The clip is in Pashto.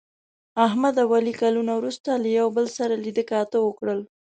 احمد او علي کلونه وروسته یو له بل سره لیده کاته وکړل.